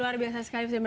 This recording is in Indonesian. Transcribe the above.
luar biasa sekali